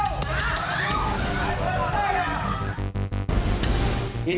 โอ้โฮเดี๋ยว